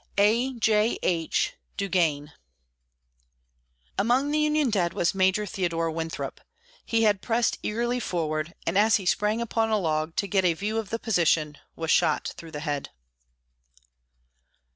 A. J. H. DUGANNE. Among the Union dead was Major Theodore Winthrop. He had pressed eagerly forward, and as he sprang upon a log to get a view of the position, was shot through the head.